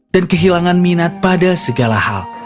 dan kehilangan minat pada segala hal